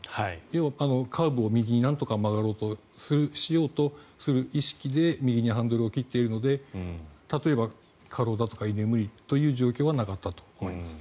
要はカーブを右になんとか曲がろうとしようとする意識で右にハンドルを切っているので例えば過労とか居眠りという状況はなかったと思います。